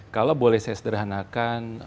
kalau boleh saya sederhanakan